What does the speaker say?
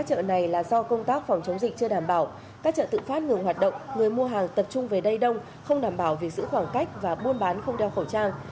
các chợ tự phát ngừng hoạt động người mua hàng tập trung về đầy đông không đảm bảo việc giữ khoảng cách và buôn bán không đeo khẩu trang